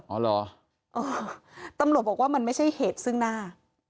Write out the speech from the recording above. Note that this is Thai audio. อ๋อเหรอตำรวจบอกว่ามันไม่ใช่เหตุซึ่งหน้า